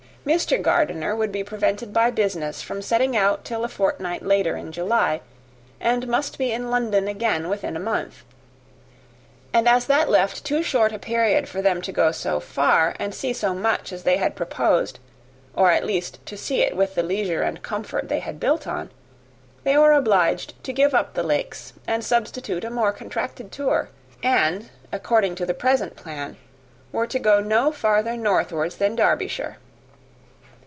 Mr. Gardiner would be prevented by business from setting out till a fortnight later in July, and must be in London again within a month; and as that left too short a period for them to go so far, and see so much as they had proposed, or at least to see it with the leisure and comfort they had built on, they were obliged to give up the Lakes, and substitute a more contracted tour; and, according to the present plan, were to go no farther northward than Derbyshire.